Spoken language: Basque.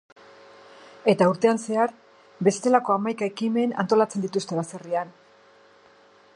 Eta urtean zehar, bestelako hamaika ekimen antolatzen dituzte baserrian.